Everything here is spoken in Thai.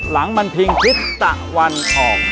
หลังมันพิงทิศตะวันออก